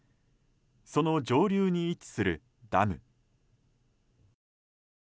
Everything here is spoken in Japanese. その上流に位置するダム。